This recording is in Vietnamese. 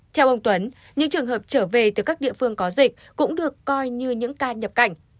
theo ông tuấn những trường hợp trở về từ các địa phương có dịch cũng được coi như những ca nhập cảnh